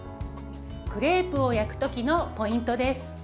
クレープを焼く時のポイントです。